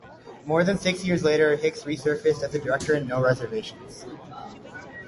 More than six years later, Hicks resurfaced as a director in "No Reservations".